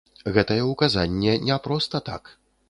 Гэтае ўказанне не проста так.